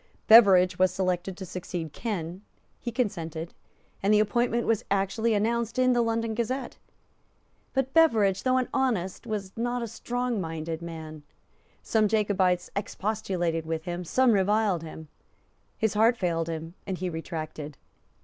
Beveridge was selected to succeed Ken; he consented; and the appointment was actually announced in the London Gazette. But Beveridge, though an honest, was not a strongminded man. Some Jacobites expostulated with him; some reviled him; his heart failed him; and he retracted.